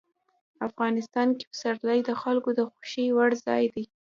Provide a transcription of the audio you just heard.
افغانستان کې پسرلی د خلکو د خوښې وړ ځای دی.